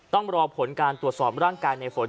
ต้องรอผลการตรวจสอบร่างกายในฝน